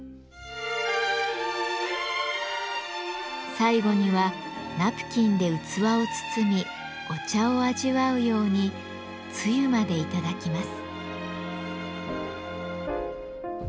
最後にはナプキンで器を包みお茶を味わうようにつゆまでいただきます。